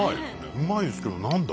うまいですけど何だ？